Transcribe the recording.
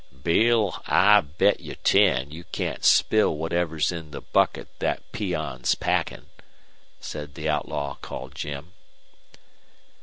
"Bill, I'll bet you ten you can't spill whatever's in the bucket thet peon's packin'," said the outlaw called Jim.